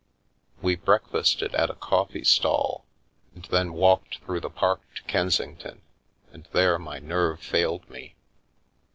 We breakfasted at a coffee stall, and then walked through the park to Kensington, and there my nerve failed me.